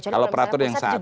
kalau peraturan yang saat ini